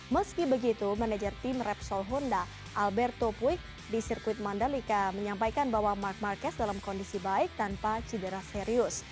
meski begitu manajer tim repsol honda alberto puik di sirkuit mandalika menyampaikan bahwa mark marquez dalam kondisi baik tanpa cedera serius